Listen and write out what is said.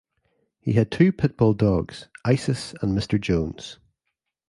He had two pit bull dogs, Isis and Mr. Jones.